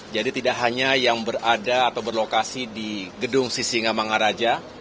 jadi tidak hanya yang berada atau berlokasi di gedung sisinga mangaraja